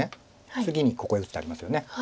次にここへ打つ手ありますよね。